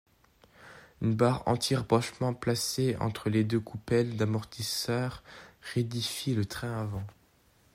Une barre anti-rapprochement placée entre les deux coupelles d'amortisseurs rigidifie le train avant.